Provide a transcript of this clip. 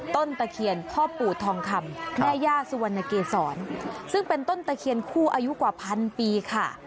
ตะเคียนพ่อปู่ทองคำแม่ย่าสุวรรณเกษรซึ่งเป็นต้นตะเคียนคู่อายุกว่าพันปีค่ะ